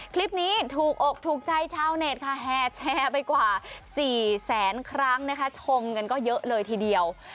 คลิปนี้ถูกอกถูกใจชาวเน็ตค่ะแห่แชร์ไปกว่า๔แสนครั้งนะคะชมกันก็เยอะเลยทีเดียว